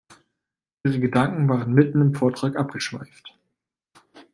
Ihre Gedanken waren mitten im Vortrag abgeschweift.